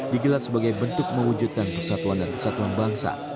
digelar sebagai bentuk mewujudkan persatuan dan kesatuan bangsa